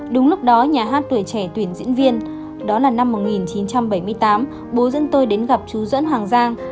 đúng lúc đó nhà hát tuổi trẻ tuyển diễn viên đó là năm một nghìn chín trăm bảy mươi tám bố dẫn tôi đến gặp chú doãn hoàng giang